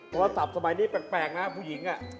โทรศัพท์สมัยนี้แปลกนะผู้หญิง